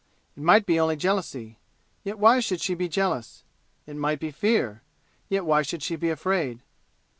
It might be only jealousy, yet why should she be jealous? It might be fear yet why should she be afraid?